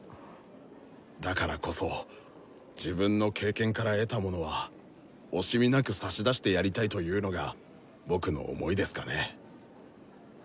だからこそ自分の経験から得たものは惜しみなく差し出してやりたいというのが僕の思いですかね。